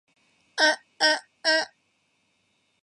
อ๊ะ อ๊ะ อ๊ะ